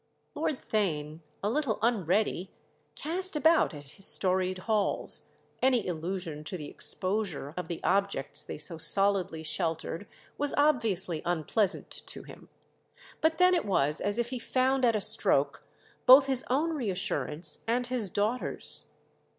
Lord Theign, a little unready, cast about at his storied halls; any illusion to the "exposure" of the objects they so solidly sheltered was obviously unpleasant to him. But then it was as if he found at a stroke both his own reassurance and his daughter's.